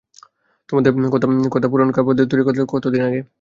তোমার দেওয়া পুরানো কাপড় দিয়ে তৈরি কাঁথাটাও ছিড়ে গেছে কতদিন আগে।